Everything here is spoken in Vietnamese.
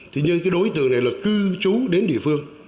thì như cái đối tượng này là cư trú đến địa phương